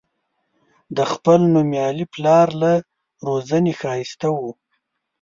د خپل نومیالي پلار له روزنې ښایسته و.